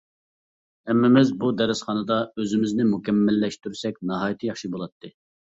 ھەممىمىز بۇ دەرسخانىدا ئۆزىمىزنى مۇكەممەللەشتۈرسەك ناھايىتى ياخشى بولاتتى.